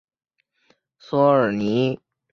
索尔尼。